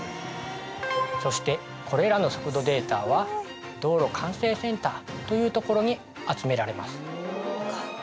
そしてこれらの速度データはというところに集められます